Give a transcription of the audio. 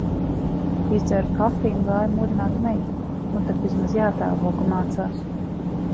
Izdzēru kafiju un gāju modināt meitu. Nu tak vismaz jātēlo, ka mācās.